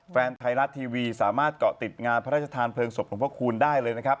แฟนไทยรัฐทีวีสามารถเกาะติดงานพระราชทานเพลิงศพหลวงพระคูณได้เลยนะครับ